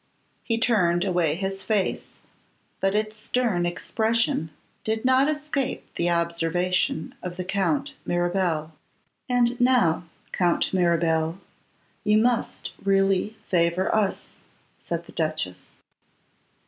He turned away his face, but its stern expression did not escape the observation of the Count Mirabel. 'And now, Count Mirabel, you must really favour us,' said the duchess.